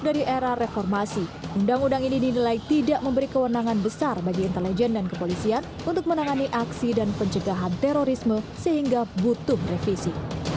dari era reformasi undang undang ini dinilai tidak memberi kewenangan besar bagi intelijen dan kepolisian untuk menangani aksi dan pencegahan terorisme sehingga butuh revisi